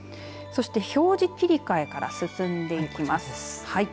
そして表示切り替えから進んでいきます。